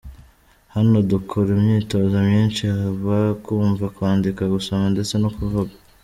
Hano dukora imyitozo myinshi haba kumva, kwandika, gusoma ndetse no kuvuga.